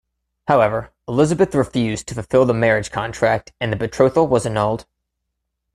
However, Elizabeth refused to fulfill the marriage contract and the betrothal was annulled.